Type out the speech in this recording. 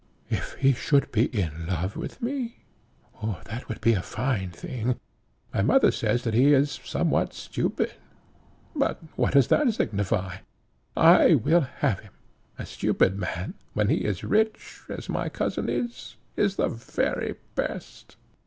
If he should be in love with me? That would be a fine thing! My mother says that he is somewhat stupid, but what does that signify? I will have him: a stupid man, when he is rich, as my cousin is, is the very best."